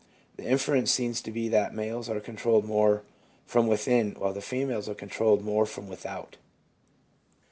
The inference seems to be that males are controlled more from zvithin, while the females are con trolled moi'e from without.